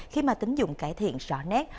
khi mà tính dụng cải thiện rõ nét